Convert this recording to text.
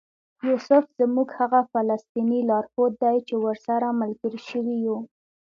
یوسف زموږ هغه فلسطینی لارښود دی چې ورسره ملګري شوي یو.